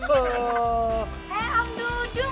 eh om dudung